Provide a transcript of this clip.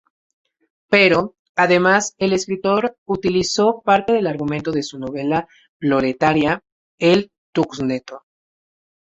Pero, además, el escritor utilizó parte del argumento de su novela proletaria ""El Tungsteno"".